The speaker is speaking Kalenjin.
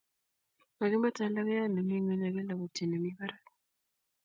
Makimetoi logoiyat ne mi ngweny ak kelabatyi ne mi barak